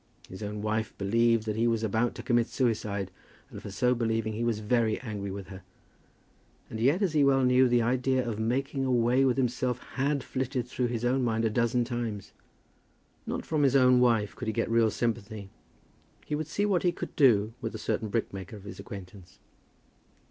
His own wife believed that he was about to commit suicide, and for so believing he was very angry with her; and yet, as he well knew, the idea of making away with himself had flitted through his own mind a dozen times. Not from his own wife could he get real sympathy. He would see what he could do with a certain brickmaker of his acquaintance.